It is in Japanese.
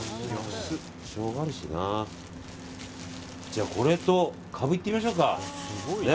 じゃあこれとカブ行ってみましょうか。